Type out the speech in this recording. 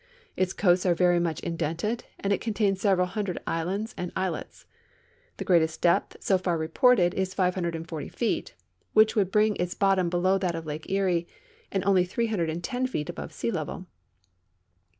Its coasts are very much indented, and it contains several hundred islands and islets. The greatest depth so far reported is 540 feet, which would bring its bottom below that of Lake Erie, and only 310 feet above sea level.